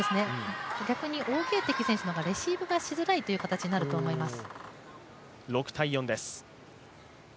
逆に王ゲイ迪選手の方がレシーブがしづらい形になると思います。